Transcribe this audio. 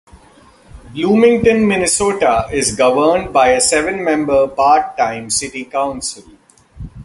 Bloomington, Minnesota is governed by a seven-member part-time City Council.